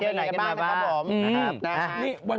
เป็นยังไงกันบ้างนะครับผม